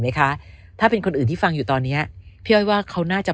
ไหมคะถ้าเป็นคนอื่นที่ฟังอยู่ตอนเนี้ยพี่อ้อยว่าเขาน่าจะ